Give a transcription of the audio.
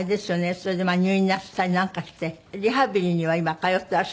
それで入院なすったりなんかしてリハビリには今通ってらっしゃるの？